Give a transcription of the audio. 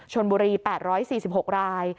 ชนบุรี๘๔๖ราย